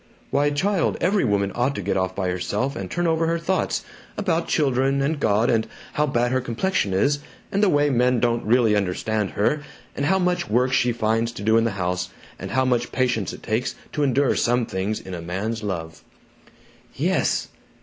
"Why, child, every woman ought to get off by herself and turn over her thoughts about children, and God, and how bad her complexion is, and the way men don't really understand her, and how much work she finds to do in the house, and how much patience it takes to endure some things in a man's love." "Yes!"